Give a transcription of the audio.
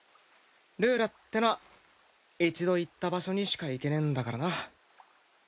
ルーラってのは一度行った場所にしか行けねえんだからな。